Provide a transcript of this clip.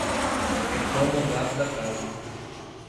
É como o gato da casa.